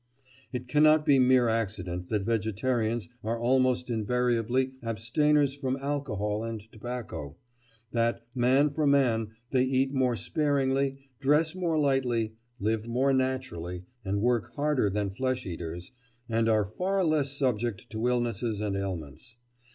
It cannot be mere accident that vegetarians are almost invariably abstainers from alcohol and tobacco, that, man for man, they eat more sparingly, dress more lightly, live more naturally, and work harder than flesh eaters, and are far less subject to illnesses and ailments.